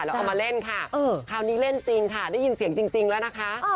แล้วเอามาเล่นค่ะคราวนี้เล่นจริงค่ะได้ยินเสียงจริงแล้วนะคะ